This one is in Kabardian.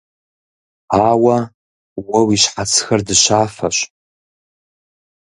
Ауэ уэ уи щхьэцхэр дыщафэщ.